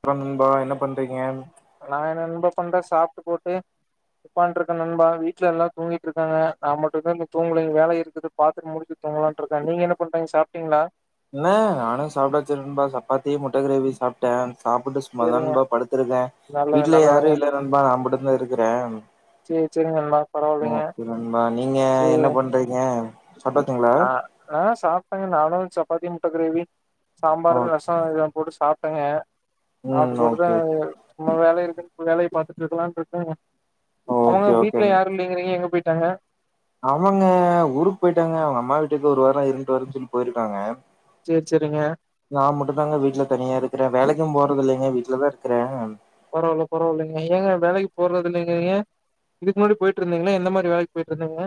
அப்றம்நண்பா என்ன பண்றீங்க நா என்ன நண்பா பண்றே சாப்ட்டு போட்டு உக்காண்ட்ருக்கே நண்பா வீட்ல எல்லா தூங்கிட்ருக்காங்க நா மட்டுதா இன்னு தூங்லிங் வேல இருக்குது பாத்துட்டு முடிச்சு தூங்கலான்ட்ருக்கே நீங்க என்ன பண்றீங்க சாப்ட்டீங்ளா ஆ நானு சாப்ட்டாச்சு நண்பா சப்பாத்தி முட்ட கிரேவி சாப்ட்டே சாப்புட்டு சும்மா தா சேரிங்க நண்பா படுத்திருக்கே நல்லது வீட்ல யாரு நல்லதுங்க இல்ல நண்பா நா மட்டு தா இருக்குறே சேரி சேரிங்க நண்பா பரவால்லைங்க ஓகே நண்பா நீங்க சேரி என்ன பண்றீங்க சாப்டாச்சுங்களா ஆ ஆ சாப்ட்டேங்க நானு சப்பாத்தி முட்ட கிரேவி சாம்பார் ஓ ர சோ அதல்லா போட்டு சாப்ட்டேங்க ம் சாப்ட்டுபோட்டுதா ஓகே இன்னு வேல இருக்குன் வேலய பாத்துட்ருக்கலான்ட்ருக்கங்க ஆமாங்க ஓகே ஓகே வீட்ல யாரு இல் லேங்கிறீங்க எங்க போய்ட்டாங்க அவங்க ஊருக் போய்ட்டாங்க அவுங்க அம்மா வீட்டுக்கு ஒரு வாரோ இருன்ட்டு வரேன் சொல்லி போய்ருக்காங்க சேர் சேரிங்க நா மட்டு தாங்க வீட்ல தனியாருக்றே வேலைக்கு போறதில்லைங்க வீட்லதாருக்றே பரவால்ல பரவால்லைங்க ஏங்க வேலைக் போறதில்லைங்கிறீங்க இதுக்கு முன்னாடி போய்ட்ருந்தீங்களா எந்த மாரி வேலைக் போய்ட்ருந்தீங்க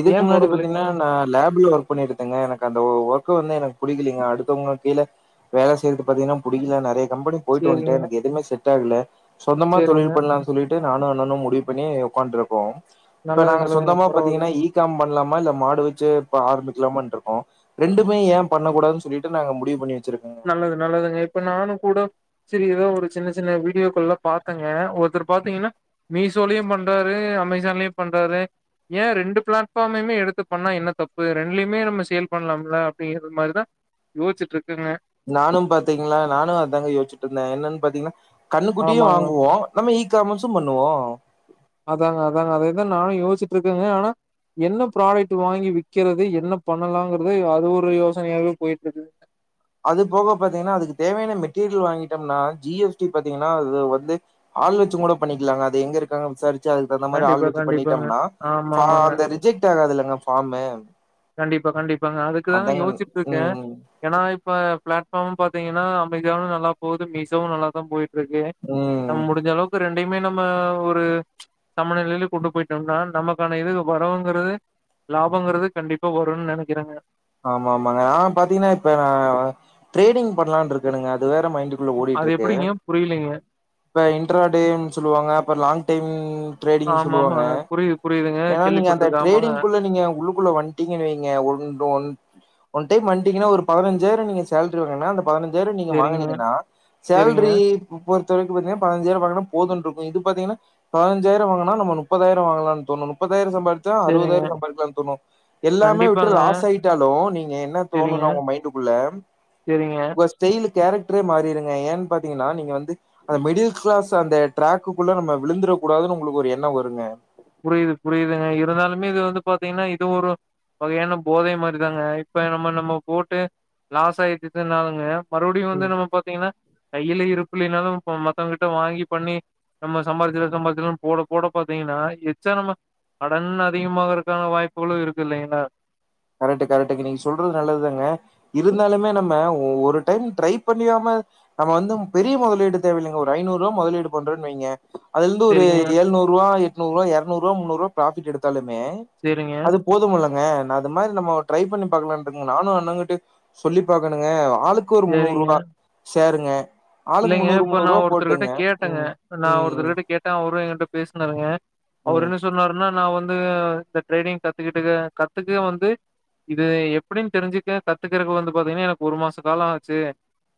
இதுக்கு முன்னாடி பாத்தீங்னா நா லே ப்ல ஒர்க் பண்ணிட்தேங்க எனக்கு அந்த ஒர்க் வந்து எனக்கு புடிக்லீங்க அடுத்தவங்க கீழ வேல செய்யறது பாத்தீங்கன்னா புடிக்கல நறைய கம்பெனிக்கு போயிட்டு சேரிங்க வண்டன் எனக்கு எதுவுமே செட் ஆகல சொந்தமா சேரிங்க தொழில் பண்லாம் சொல்லிட்டு நானு அண்ணனு முடிவு பண்ணி உக்காண்ட்டு இருக்கோம் இப்ப நல்லது நாங்க நல்லதுங்க சொந்தமா பத் பரவாயில்லைங்க ஈகாம் பண்லாமா இல்ல மாடு வெச்சு இப்ப ஆரம்பிக்கலாமன்ட்டுருக்கோம் ரெண்டுமே ஏன் பண்ண கூடாதுன் சொல்லிட்டு நாங்க முடிவு பண்ணி வெச்சிருக்கோம் நல்லது நல்லதுங்க இப்ப நானு கூட சேரி ஏதாவ ஒரு சின்ன சின்ன வீடியோக்கள்லாம் பாத்தங்க ஒருத்தர் பாத்தீங்ன்னா மீசோலயும் பண்றாரு அமேசான்லயும் பண்றாரு ஏ ரெண்டு பிளாட்பாமையுமே எடுத்து பண்ணா என்ன தப்பு ரெண்டுலியுமே நம்ம சேல் பண்ணலாம்ல அப்டிங்கிற மாரிதா யோசிச்சுட்டுருக்கங்க நானு பாத்தீங்னா நானு அதாங்க யோசிட்டு இருந்தேன் என்னன்னு பாத்தீங்கன்னா கண்ணுக்குட்டியும் ஆமாங்க வாங்குவோம் நம்ப இ காமஸும் பண்ணுவோம் அதாங்க அதாங்க அதேதான் நான் யோசிட்டுருக்கேங்க ஆனா என்ன ப்ராடக்ட் வாங்கி விக்கிறது என்ன பண்ணலாகறது அது ஒரு யோசனையாவே போயிட்டு இருக்கு அது போக பாத்தீங்கன்னா அதுக்கு தேவையான மெட்டீரியல் வாங்கிட்டம்னா ஜி எஸ் டி பாத்தீங்கன்னா அது வந்து ஆள் வெச்சுங் கூட பண்ணிக்கலாங்க அது எங்க இருக்காங்க விசாரி வெச்சு அதுக்கு தகுந்த மாரி ஆள் கண்டிப்பா வெச்சு கண்டிப்பாங்க பண்ணிட்டோம்னா ஆமா ஆமாங்க அந்த ரிஜெக்ட் ஆகாதுலங்க ஃபாமு கண்டிப்பா கண்டிப்பாங்க அதுக்குதாங்க யோசிச்சுட்டு இருக்கேன் ம் ஏனா இப்ப பிளாட்ஃபாம்முனு பாத்தீங்கனா ஆமேசானும் நல்லா போகுது மீசோவும் நல்லா தா போயிட் இருக்கு நம்ம ம் முடிஞ்ச அளவுக்கு ரெண்டையுமே நம்ப ஒரு சமநிலையில கொண்டு போயிட்டோம்னா நமக்கான இது வரவுங்குறது லாபங்குறது கண்டிப் இப்போ வருனு நெனைக்கிறங்க ஆமா ஆமாங்க நா பாத்தீங்கனா இப்ப நா ட்ரேடிங் பண்ணலானு இருக்கனுங்க அது வேற மைண்ட் உள்ள ஓடிட்டு அது இருக்கு எப்படிங்க? புரியலைங்க. இப்ப இன்ட்ரா டேனு சொல்லுவாங்க அப்ப லாங் டைம் ட்ரேடிங் சொல்லுவாங்க ஆமாமாங்க. புரியுது, புரியுதுங்க. ஏனா நீங்க அந்த கேள்விப்பட்டுருக்கேன். ஆமாங்க. ட்ரேடிங்குள்ள நீங்க உள்ள உள்ளுகுள்ள வன்டீங்க வெய்ங்க ஒ ஒ ஒன் டைம் வன்டீங்கனா ஒரு பதினஞ்சாயிரோம் நீங்க சேலரி வாங்குனீங்கனா அந்த பதினஞ்சாயிரோம் நீங்க சரிங்க, வாங்குனீங்கனா சரிங்க, சேல்ரி முப்பத்தேழுக்கு பாத்தீங்கனா பதிஞ்சாயிரோ வாங்குனா போதுனு இருக்கும் இது பாத்தீங்ன்னா பதினஞ்சாயிரோம் வாங்குனா நம்ப நுப்பதாயிரோம் வாங்கலானு தோணும் முப்பதாயிரோம் சம்பா ச்சா சரிங்க. அறுவதாயிரோம் சம்பாதிக்கலாம்னு தோணு எல்லாமே விட்டு கண்டிப்பாங்க. லாஸ் டைட்டாலோ நீங்க என்ன சரிங்க, தோணுனா உங்க மைண்டுக்குள்ள சரிங்க. இப்ப ஸ்டைலு கேரக்டரே மாறிருங்க ஏன்னு பாத்தீங்கன்னா நீங்க வந்து அந்த மிடில் கிளாஸ் அந்த டிராக்குக்குள்ள நம்மப விழுந்துறக் கூடாதுனு உங்குளுக்கு ஒரு எண்ணோம் வருங்க புரிது புரிதுங்க இருந்தாலுமே இது வந்து பாத்தீங்கன்னா இதுவும் ஒரு வகையான போதை மாரி தாங்க இப்ப நம்ம நம்ம போட்டு லாஸ் ஆயிட்டதுனாலங்க மறுபடியும் ம் வந்து நம்ம பாத்தீங்ன்னா கையில இருப்பு இல்லினாலும் மத்தவங்கிட்ட வாங்கி பண்ணி நம்ம சம்பாதிச்ச சம்பாதிச்சும் போட போட பாத்தீங்கனா எச்சனமா கடன் அதிகமாகுறதுக்கான வாய்ப்புகளும் இருக்கு இல்லைங்களா கரெக்ட் கரெக்ட் நீங்க சொல்றது நல்லது தாங்க இருந்தாலுமே நம்ப ஒரு டைம் ட்ரை பண்ணியாம நம்ம வந்து பெரிய முதலீடு தேவையில்லங்க ஒரு ஐநூறுவா முதலீடு பண்றன் வெய்ங்க அதுல இருந்து ஒரு சரிங்க, எழுநூறுவா எட்நூருவா இரநூறுவா முன்னூறுவா ஃ ப்ராபிட் எடுத்தாலுமே சேரிங்க அது போதும் இல்லங்க நான் அந்த மாரி நம்மோ ட்ரை பண்ணி பாக்கலானு இருக்கங்க நானு அண்ணங்கிட்ட சொல்லி பாக்கனுங்க ஆளுக் கு ஒரு சரிங்க. முண்ணூறுவா ஷேருங்க இல்லைங்க இப்ப நா ஒருத்தர்கிட்ட கேட்டங்க நா ம் ஒருத்தர்கிட்ட கேட்ட அவரு எகிட்ட பேசுனாருங்க அவரு ம் என்ன சொன்னாருனா நா வந்து த ட்ரேடிங்‌ கத்துக்கிட்டுக்க கத்துக்க வந்து இது எப்டின் தெரிஞ்சுக்க கத்துக்குறக்கு வந்து பாத்தீங்கனா எனக்கு ஒரு மாசோ காலோ ஆச்சு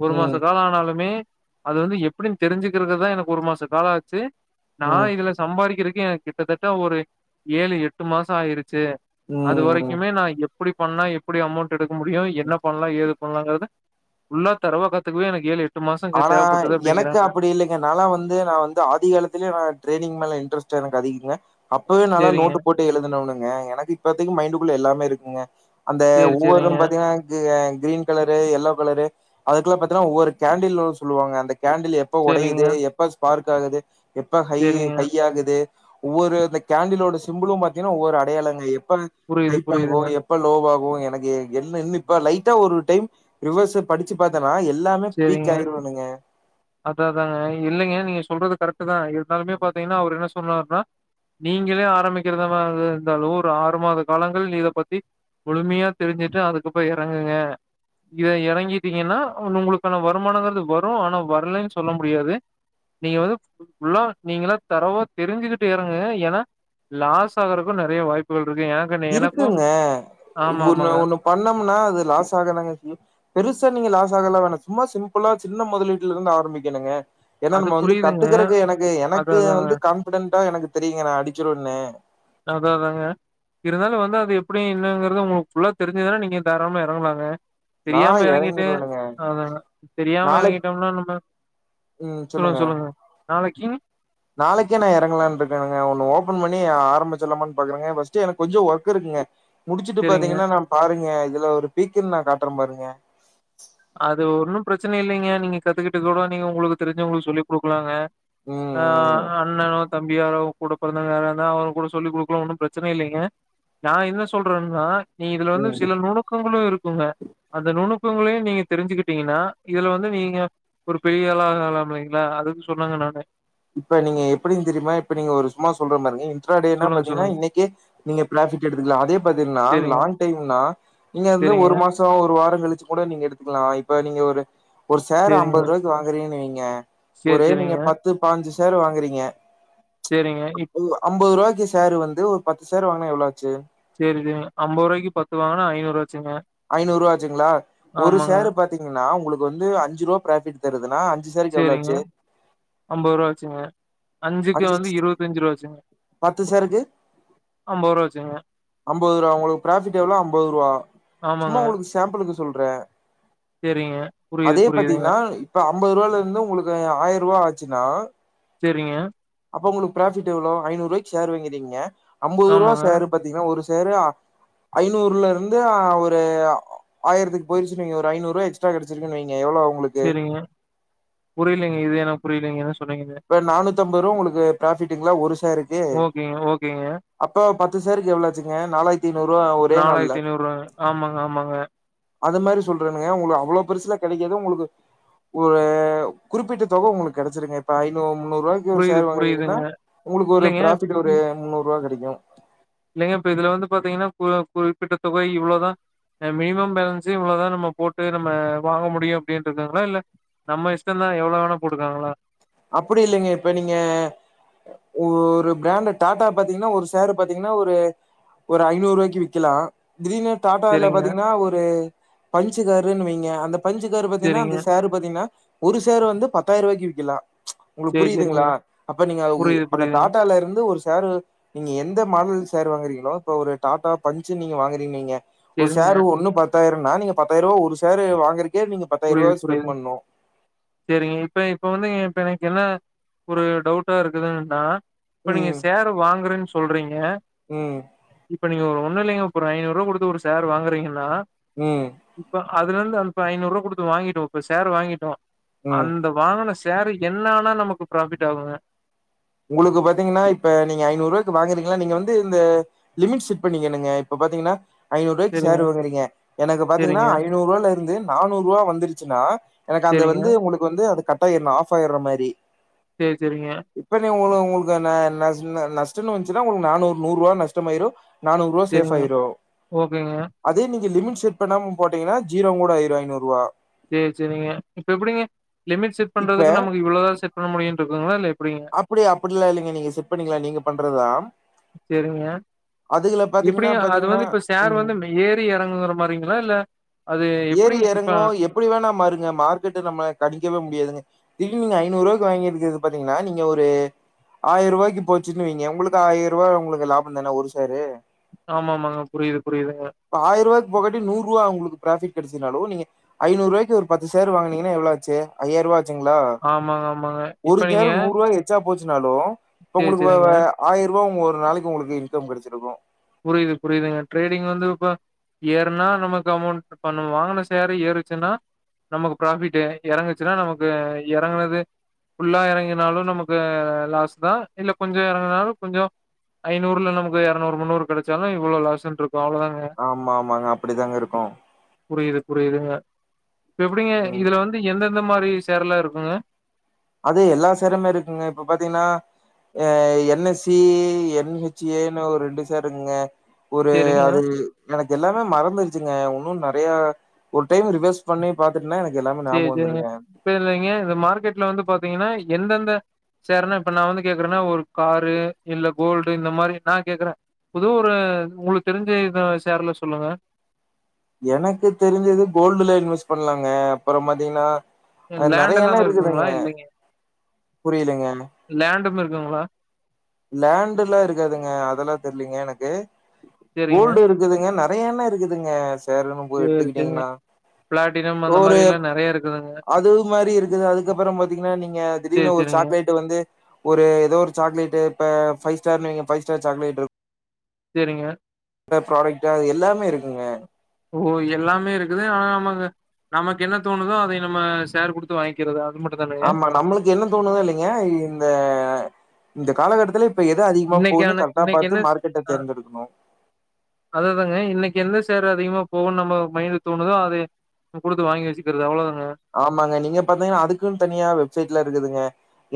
ஒரு ம் மாசோ காலோ ஆனாலுமே அது வந்து எப்டினு தெரிஞ்சுக்குறதுக்குதா எனக்கு ஒரு மாசோ காலோ ஆச்சு நா ம் ம் இதுல சம்பாரிக்கிறக்கு எனக்கு கிட்டத்தட்ட ஒரு ஏழு எட்டு மாசோ ஆயிருச்சு அது ம் ம் வரைக்குமே நா எப்டி பண்ணா எப்டி அமௌண்ட் எடுக்க முடியு என்ன பண்லா ஏது பண்லாங்கறத ஃபுல்லா தரவா கத்துக்கவே எனக்கு ஏழு எட்டு மாசோ ஆனா எனக்கு அப்டி இல்லை நாலா வந்து நா வந்து ஆதி காலத்துலயே நா ட்ரேடிங் மேல இன்ட்ரஸ்ட் எனக்கு அதிகங்க அப்பவே நாலா சரிங்க. நோட்டு போட்டு எழுதுனவனுங்க எனக்கு இப்பத்திக்கு மைண்டுக்குள்ள எல்லாமே இருக்குங்க அந்த சரி, ஒவ்வொர் சரிங்க. ரௌன் பாத்தீங்கன்னா ஆ கிரீன் கலரு எல்லோ கலரு அதுக்குல்லா பாத்தீங்கனா ஒவ்வொரு கேண்டிலோ சொல்லுவாங்க அந்த கேண்டில் எப்ப சரிங்க, ஒடையுது எப்ப ஸ்பார்க் ஆகுது எப்ப ஹயி சரிங்க. ஹய் ஆகுது ஒவ்வொரு இந்த கேண்டில்லோட சிம்புளு பாத்தீங்கனா ஒவ்வொரு அடையாளங்க எப்ப புரியுது, ஹைப் ஆகு புரியுதுங்க. எப் ப லோவாகு எனக்கு என்ன இன்ன இப்ப லைட்டா ஒரு டைம் ரிவொஸு படிச்சு பாத்தனா எல்லாமே பீக் ஆயிருவனுங்க அத்தா அத்தாங்க இல்லைங்க நீங்க சொல்றது கரெக்ட்தா இருந்தாலுமே பாத்தீங்கனா அவரு என்ன சொன்னாருனா நீங்களே ஆரம்பிக்றதா மாரி இருந்தாலு ஒரு ஆறு மாத காலங்கள் இத பத்தி முழுமையா தெரிஞ்சுட்டு அதுகப்றோ எறங்குங்க இத எறங்கிட்டீங்கன்னா உங்களுக்கான வருமானங்கறது வரு ஆனா வரலன் சொல்ல முடியாது நீங்க வந்து ஃபுல்லா நீங்கலா தரோவா தெரிஞ்சுகிட்டு எறங்குங்க எனா லாசாகருக்கு நறைய வாய்ப்புகள் இருக்கு எனா இருக்குங்க ஒன்னு ஒன்னு பண்ணமுனா அது லாஸ் ஆகதாங்க செய்யு பெருசா நீங்க லாஸ்ஸாகலா வேணா சும்மா சிம்புளா சின்ன மொதலீட்ல இருந்து ஆரம்பிக்கணுங்க எனா அது நம்ம வந்து புரியுதுங்க. கத்துக்கறக்கு எனக்கு அதா எனக்கு அதாங்க. வந்து கான்ஃபிடென்டா எனக்கு தெரியுங்க நா அடிச்சுடுன்னு அத்தா அத்தாங்க இருந்தாலு வந்து அது எப்டி என்னங்கறது உங்களுக்கு ஃபுல்லா தெரிஞ்சதுனா நீங்க தாராளமா எறங்கலாங்க நா தெரியாம எறங்கிட்டு எறங்கிருவேனுங்க அத தெரியாம நாளைக் எறங்கிட்டோம்னா நம்ம ம் சொல்லுங்க நாளைக்கிங் நாளைக்கே நா எறங்கலான்றுகங்க ஒன்னு ஓபன் பண்ணி ஆரம்பிச்சிலாமான் பாக்குறங்க ஃபஸ்ட்டு எனக் கொஞ்சோ வொர்க் இருக்குங்க முடிச்சுட்டு சரிங்க. பாத்தீங்கன்னா நா பாருங்க இதுல ஒரு பீக்குன் நா காட்டுற பாருங்க அது ஒன்னு ப்ரச்சன இல்லைங்க நீங்க கத்துகுட்டுகூட நீங்க உங்ளுக்கு தெரிஞ்சவங்களுக்கு சொல்லி குடுக்லாங்க ஆ ம் அண்ணனோ தம்பியாரோ கூட பொறந்தோங்க யாரா இருந்தா அவுங்ளுக்கூட சொல்லி குடுக்கலா ஒன்னு ப்ரச்சன இல்லிங்க நா என்ன சொல்றன்னா நீ இதுல ம் வந்து ம் சில நுணுக்கங்களு இருக்குங்க அந்த நுணுக்கங்களையு நீங்க தெரிஞ்சுக்கிட்டீங்கனா இதுல வந்து நீங்க ஒரு பெரிய ஆளா ஆகலா இல்லைங்ளா அதுக் சொன்னங்க நானு இப்ப நீங்க எப்டின் தெரியுமா இப்ப நீங்க ஒரு சும்மா சொல்ற பாருங்க எக்ஸ்ட்ரா டேனா சொல்லுங்க, பாத்தீங்னா சொல்லுங்க. இன்னிக்கே நீங்க ப்ராஃபிட் எடுத்துக்குலா அதே பாத்தீங்னா சரிங்க, லாங் டைம்னா நீங்க வந்து சரிங்க, ஒரு மாசோ ஒரு வாரோ கழிச்சு கூட நீங்க எடுத்துக்லா இப்ப நீங்க ஒரு ஒரு ஷேர் சரிங்க. அம்பது ருவாய்க் கு வாங்குறீன்னுவைங்க சரி, ஒரு நீங்க சரிங்க, பத்து பாஞ்சு ஷேர் வாங்குறீங்க சரிங்க. இப் அம்பது ருவாய்கு ஷேரு வந்து ஒரு பத்து ஷேர் வாங்னா எவ்ளோ ஆச்சு சேரி இது அம்பது ருவாய்கு பத்து வாங்கனா ஐநூறுவா ஆச்சுங்க ஐநூறுவா ஆச்சுங்களா ஒரு ஆமாங்க. ஷேரு பாத்தீங்கன்னா உங்ளுக்கு வந்து அஞ்சு ரூவா ப்ராஃபிட் க்கிறதுனா அஞ்சு ஷேரிக்கு எவ்ளோ ஆச்சு அம்பது ரூவா ஆச்சிங்க அஞ்சிக்கு அஞ்சு வந்து இருவத்தஞ்சு ரூவா ஆச்சிங்க பத்து ஷேருக்கு ரூவா ஆச்சுங்க அம்பது ரூவா உங்ளுக்கு பிராஃபிட் எவ்ளோ அம்பது ரூவா சும்மா ஆமாங்க உங்ளுக்கு சேம்ப்பிளுக்கு சொல்ற சேரிங்க புரியுது அதே புரியுதுங்க பாத்தீங்கனா இப்ப அம்பது ரூவால இருந்து உங்ளுக்கு ஆயிரரூவா ஆச்சினா சேரிங்க அப்போ உங்ளுக்கு ப்ராபிட் எவ்ளோ ஐநூரூவாய்க்கு சேர் வாங்கிறீங்க அம்பது ரூபா ஆமாங்க சேரு பாத்தீங்கானா ஒரு ஷேரு ஐநூர்லருந்து ஒரு ஆயிரத்துக்கு போயிருச்சு வைங்க ஒரு ஐநூரூவா எக்ஸ்ட்டா கெடச்சிருக்குனு வைங்க எவ்ளோ ஆவு சேரிங்க புரியலீங்க இது எனக்கு புரியலீங்க இப்ப நானூத்தஐம்பது ரூவா உங்ளுக்கு ப்ராஃபிட்டுங்ளா ஒரு ஷேருக்கு ஓகேங்க ஓகேங்க அப்ப பத்து ஷேருக்கு எவ்ளோ ஆச்சுங்க நாலாய்த்தைநூரூவா ஒரே நாலாயிரத்தி நாள்ல ஐநூறுவாங்க ஆமாங்க ஆமாங்க அது மாரி சொல்றனுங்க உங்களுக்கு அவ்ளோ பெருசுலா கெடைக்குது உங்களுக்கு ஒரு குறிப்பிட்ட தொக உங்களுக்கு கெடைச்சுருங்க இப்ப ஐநூ முன்னூறுவாய்க்கு ஒரு புரியுது ஷேர் வாங்கறீங்கன்னா புரியுதுங்க உங்ளுக்கு ஒரு இல்லைங்க ப்ராஃபிட் ஒரு முன்னூறுவா கெடைக்கு இல்லங்க இப்ப இதுல வந்து பாத்தீங்கனா கு குறிப்பிட்ட தொகை இவ்ளோதா அ மினிமம் பேலன்ஸே இவ்ளோதா நம்ம போட்டு நம்ம வாங்க முடியு அப்டினுருக்காங்களா இல்ல நம்ம இஷ்டோதா எவ்ளோ வேணால போட்டுக்கலாங்லா அப்படி இல்லங்க இப்ப நீங்க ஒரு பிராண்டு டாட்டா பாத்தீங்கன்னா ஒரு சேரு பாத்தீங்கன்னா ஒரு ஒரு ஐநூறு ரூவாய்க்கு விக்கலா திடீர்னு டாடாவெல்லா சேரிங்க பாத்தீங்கன்னா ஒரு பன்ச்சு காருன்னு வைங்க அந்த பன்ச்சு காரு பாத்தீங்கன்னா சேரிங்க அந்த ஷேரு பாத்தீங்கன்னா ஒரு ஷேரு வந்து பத்தாயிரவாய்க்கு விக்கலா உங்களுக்கு சேரி சேரிங்க புரியுதுங்ளா அப்ப நீங்க உ புரியுது அந்த புரியுதுங்க டாடால இருந்து ஒரு ஷேரு நீங்க எந்த மாடல் ஷேரு வாங்குறீங்ளோ இப்ப ஒரு டாடா பன்ச்சுன் நீங்க வாங்குறீங்கன்‌ வைங்க ஒரு சேரிங்க ஷேரு ஒண்ணு பத்தாயிரோனா நீங்க பத்தாயிரூவா ஒரு ஷேரு வாங்கறக்கே நீங்க பத்தாயிர ரூபா புரியுது ஸ்பெண்ட் புரியுது பண்ணணு சேரிங்க இப்ப இப்ப வந்துங்க இப்ப எனக்கு என்னா ஒரு டவுட்டா இருக்குதுன்னா இப்ப நீங்க ம் ஷேரு வாங்குறன் சொல்றீங்க ம் இப்ப நீங்க ஒண்ணு இல்லைங்க இப்ப ஒரு ஐநூறுவா குடுத்து ஒரு ஷேர் வாங்குறீங்கன்னா ம் இப்ப அதுலெந்து அந் ப ஐநூறுவா குடுத்து வாங்கிட்டோ இப்ப ஷேர் வாங்கிட்டோ ம் அந்த வாங்குன ஷேரு என்ன ஆனா நமக்கு ப்ராஃபிட் ஆகுங்க உங்களுக்கு பாத்தீங்கன்னா இப்ப நீங்க ஐநூறு ரூவாய்க்கு வாங்குறீங்களா நீங்க வந்து இந்த லிமிட் செட் பண்ணிக்கனுங்க இப்ப பாத்தீங்கன்னா ஐநூரூவாய்க்கு சரிங்க, ஷேரு வாங்குறீங்க எனக்கு பாத்தீங்கன்னா சரிங்க, ஐநூறுவால இருந்து நானூரூவா வந்துருச்சுன்னா எனக்கு அந்த சரிங்க. வந்து உங்களுக்கு வந்து அது கட் ஆயிர்னு ஆஃப் ஆயிற மாரி சேரி சேரிங்க இப்ப நீ உங்கள உங்களுக்கான நஷ் ந நஷ்டன்னு வந்ச்சுன்னா உங்களுக்கு நானூறு நூறுவா நஷ்டமாயிரு நானூறுவா சேஃப் சரிங்க. ஆயிரு ஓகேங்க. அதே நீங்க லிமிட் செட் பண்ணாம போட்டீங்கன்னா ஜீரோ கூட ஆயிரு ஐநூறுவா சேரி சுரிங்க இப்ப எப்புடிங்க லிமிட் செட் இப்ப பண்றதுக்கு நமக்கு இவ்ளோதா செட் பண்ண முடியுனு இருக்குங்ளா இல்ல எப்புடிங்க அப்படியா அப்படில்லா இல்லைங்க நீங்க செட் பண்ணிக்கலா நீங்க பண்றதா சேரிங்க பாத்தீங்கன்னா எப்படிங்க அது பாத்தீங்கன்னா வந்து இப்ப ஷேர் ம். வந்து மெ ஏறி எறங்குங்குற மாரிங்களா இல்ல அது எப்பிடிங்க இப்ப எப்பிடி வேணா மாறுங்க மார்கெட்டு நம்ம கணிக்கவே முடியாதுங்க திடீன் நீங்க ஐநூறுவாக்கு வாங்கிருக்கது பாத்தீங்கனா நீங்க ஒரு ஆயருவாய்க்கு போச்சுன்னு வைங்க உங்களுக்கு ஆயருவா உங்களுக்கு லாபந்தான ஒரு ஷேரு ஆமாமாங்க புரியிது புரியிதுங்க இப்ப ஆயருவாக்கு போகாட்டி நூறுவா உங்ளுக்கு பிராஃபிட் கெடச்சதுனாலு நீங்க ஐநூறுவாய்க்கு ஒரு பத்து ஷேர் வாங்குனீங்கனா எவ்ளொ ஆச்சு ஐயாய்ருவா ச்சுங்ளா ஆமாங்க, ஆமாங்க. இப்ப ஒரு நீங்க சேரு நூறுவா எ ச்சா போச்சுனாலு இப்ப சரி, உங்களுக்கு வ வ சரிங்க. ஆயருவா உங் ஒரு நாளக்கி உங்களுக்கு இன்கம் கெடச்சிருக்கு புரியிது புரியிதுங்க ட்ரேடிங் வந்து இப்ப ஏறுனா நமக்கு அமௌண்ட் இப்ப நம்ம வாங்குன ஷேரு ஏறுச்சுன்னா நமக்கு பிராஃபிட்டு் எறங்குச்சுனா நமக்கு எறங்குனது ஃபுல்லா எறங்கினாலு நமக்கு லாஸ் தா இல்ல கொஞ்சொ எறங்குனாலு கொஞ்சோ ஐநூறுல நமக்கு எரநூறு முன்னூறு கெடச்சாலு இ்வ்ளொ லாசுன்ட்ருக்கு அவ்ளதாங்க ஆமாமாங்க அப்பிடிதாங்க இருக்கு புரியிது புரியிதுங்க இப்ப எப்டிங்க ம் இதுல வந்து எந்தெந்த மாரி ஷேர்லா இருக்குங்க அது எல்லா சேருமே இருக்குங்க இப்ப பாத்தீங்னா A N S C N H A ன்னு ஒர் ரெண்டு சேர்ருக்குங்க ஒரு சரிங்க. அது எனக்கு எல்லாமே மறந்துருச்சுங்க உன்னு நெறையா ஒரு டைம் ரிவெஸ் பண்ணி பாத்துட்டுன்னா எனக்கு எல்லாமே ஞாப சேரி சேரிங்க. வந்துருங்க இப்ப இல்லைங்க இந்த மார்கெட்ல வந்து பாத்தீங்கனா எந்தெந்த சேர்னு இப்ப நா வந்து கேக்குறன்னா ஒரு காரு இல்ல கோல்டு இந்த மாரி நா கேக்குறே புது ஒரு உங்களுக் தெரிஞ்சு இத ஷேர்ல சொல்லுங்க எனக்கு தெரிஞ்சது கோல்டுல இன்வெஸ் பண்லாங்க அப்பறொ பாத்தீங்கனா அ லேண்ட் நறைய என்ன எல்லாம் இருக்குதுங்க இருக்குங்களா? புரியிலங்க லேன்டும் இருக்குங்களா லேன்டுல்லா இருக்காதுங்க அதெல்லா தெர்லிங்க எனக்கு சேரிங்க. கோல்டிருக் இதுலங்க நெறைய என்ன இருக்குதுங்க ஷேருன்னு போ சேரி சேரிங்க. எடுத்துகிட்டீங்னா பிளாட்டினம் அந்த மாரியில்லா நெறைய இரு அது மாரி இருக்குது அதுக்கப்புறொ பாத்தீங்கனா நீங்க சேரி திடீனு ஒரு சேரிங்க, சாக்லேட்டு‌ வந்து ஒரு எதோ ஒரு சாக்லேட்டு இப்ப ஃபைஸ்டார்னு‌ வைங்க ஃபை ஸ்டார் சாக்லேட்ருக் சேரிங்க இந்த ப்ராடக்டா அது எல்லாமே இருக்குங்க ஓ எல்லாமே இருக்குது ஆனா நமக்கு நமக்கு என்ன தோனுதோ அதை நம்ம ஷேர் குடு வந்து வாங்கிக்கிறது அது மட்டும் தானே ஆமா நம்மளுக்கு என்ன தோணுதோ இல்லைங்க இந்த இந்த காலகட்டத்தில இப்ப எது அதிகமா போகுதோ இன்னைக்கான கரெக்டா இன்னைக்கு என்ன பாத்து மார்க்கெட்ட தேர்ந்தெடுக்கணு அதேதாங்க இன்னைக்கு எந்த சேர் அதிகமா போகும் நம்ம மைண்ட்ல தோணுதோ அது குடுத்து வாங்கி வச்சிக்கிறது அவ்வளோ தாங்க ஆமாங்க நீங்க பாத்தீங்கனா அதுக்குன் தனியா வெப்சைட்லா இருக்குதுங்க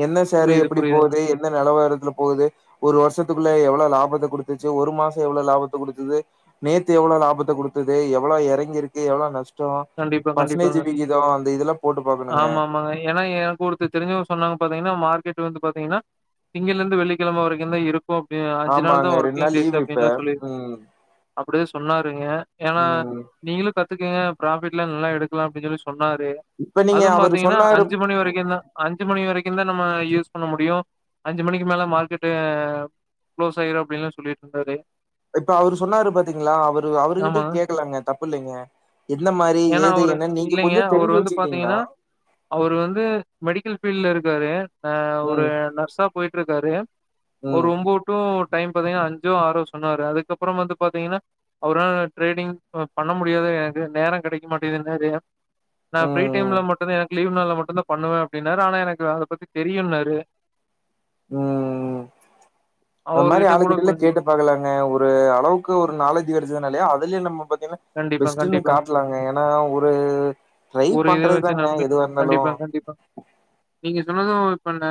என்ன ஷேரு புரியுது, எப்பிடி புரியுதுங்க. போது எ ந்த நெலவரத்ல போது ஒரு வருஷத்துக்குள்ள எவ்ளொ லாபத்த குடுத்துச்சு ஒரு மாச எவ்ளொ லாபத்த குடுத்தது நேத்து எவ்வளோ லாபத்த குடுத்தது எவ்வளோ எறங்கிருக்கு எவ்வளொ நஷ் டோ பர்சன்டேஜு விகிதோ அ ஆமாமாங்க ஏனா எனக்கொரு து தெரிஞ்சவ்ங்க சொன்னாங்க பாத்தீங்கனா மார்கெட் வந்து பாத்தீங்கனா திங்கள்லெந்து வெள்ளிக்கெழம வரைக்குந்தா இருக் கு அப்டின்னு அஞ்சு நாள் ஆமாங்க. தா ஒர்க்கிங் நாள் டேஸு லீவு இப்ப. அப்டின்லா சொல்லி ம். அப்பிடியே சொன்னாருங்க ஏனா ம். நீங்களு கத்துக்கங்க ப்ராஃபிட்லா நல்லா எடுக்கலா அப்டின்னு சொல்லி சொன்னாரு இப்ப நீங்க அதுவு அவரு பாத்தீங்கன்னா சொன்னாரு அஞ்சு மணி வரைக்கும் தா அஞ்சு மணி வரைக்குந்தா நம்ம யூஸ் பண்ண முடியும் அஞ்சு மணிக்கு மேல மார்க்கெட்டு கிளோஸ் ஆயிரு அப்டில்லா சொல்லிட்டு இருந்தாரு இப்ப அவரு சொன்னாரு பாத்தீங்களா அவரு அவருகிட்டயு ஆமாங்க. கேக்கலாங்க தப்பு இல்லைங்க எந்த மாரி ஏன்னா ஏது அவரு என்னன் நீங்க இல்லைங்க. கொஞ்ச அவரு தெரிஞ்சு வந்து வச்சுக்கிட்டீங்கன்னா பாத்தீங்கன்னா அவரு வந்து மெடிக்கல் பீல்ட்ல இருக்காரு அ ஒரு ம். நர்ஸா போயிட் இருக்காரு ஒரு ம். ஒம்போ து டூ டைம் பாத்தீங்கன்னா அஞ்சோ ஆறோ சொன்னாரு அதுக்கப்புற வந்து பாத்தீங்கன்னா அவரால ட்ரேடிங் பண்ண முடியாதுங்க நேரொ கெடைக்க மாட்டேங்குது நெறைய நா ம். ப்ரீ டைம்ல ம். மட்டுந்தா எனக் லீவ் நாள்ல மட்டுந்தா பண்ணுவே அப்டின்னாரு ஆனா எனக்கு அத பத்தி தெரியும்னாரு உம் அது மாரி அவர்கிட்ட கூட ஆளுங்கிட்டல்ல கொஞ்சம் கேட்டு. ப்பாக்கலாங்க ஒரு அளவுக்கு ஒரு நாலேஜ் கெடச்சதுனாலே அதுலயே நம்ம பாத்தீங்கனா கண்டிப்பா, பெஸ்ட்டுன்னு கண்டிப்பாங்க. காட்லாங்க ஏன்னா ஒரு ட்ரை ஒரு இத வச்சு பண்றதுதாங்க நம்பிட்டு எதுவாருந்தாலு கண்டிப்பா, கண்டிப்பா. நீங்க சொன்னது இப்ப அந்த